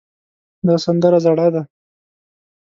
دا سندره زړه ده